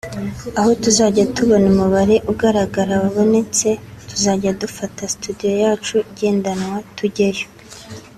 aho tuzajya tubona umubare ugaragara wabonetse tuzajya dufata studio yacu igendanwa tujyeyo”